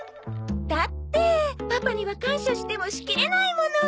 だってパパには感謝してもしきれないもの。